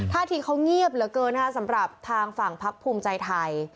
ท่าทีเขาเงียบเหลือเกินนะคะสำหรับทางฝั่งพักภูมิใจไทย